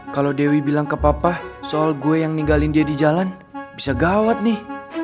kalau dewi bilang ke papa soal gue yang ninggalin dia di jalan bisa gawat nih